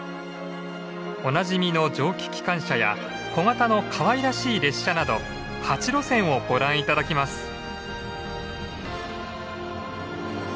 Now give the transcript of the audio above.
おなじみの蒸気機関車や小型のかわいらしい列車など８路線をご覧頂きます。